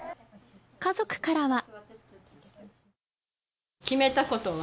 家族からは。